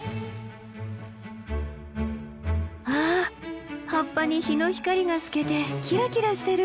わあ葉っぱに日の光が透けてキラキラしてる！